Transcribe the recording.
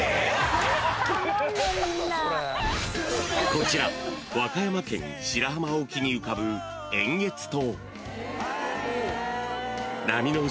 ［こちら和歌山県白浜沖に浮かぶ円月島］